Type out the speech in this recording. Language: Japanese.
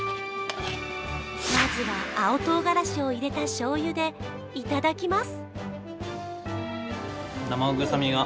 まずは、青唐辛子を入れたしょうゆでいただきます。